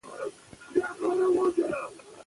دحكم اصل ، ممانعت دى يعني كه داسي وويل سي چې